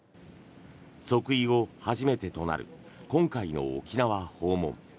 即位後初めてとなる今回の沖縄訪問。